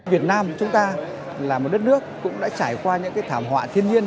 việt nam chúng ta là một đất nước cũng đã trải qua những thảm họa thiên nhiên